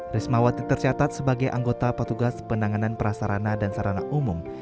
rismawati tercatat sebagai anggota petugas penanganan prasarana dan sarana umum